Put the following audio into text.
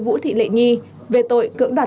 vũ thị lệ nhi về tội cưỡng đoàn